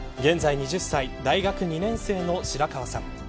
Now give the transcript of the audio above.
２０歳大学２年生の白河さん。